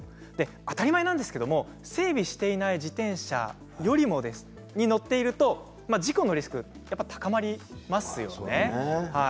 当たり前なんですけど整備していない自転車に乗っていると事故のリスクが高まりますよね。